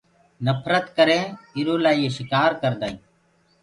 نڦرت ڪرينٚ ايرو لآ يي شڪآر ڪردآئينٚ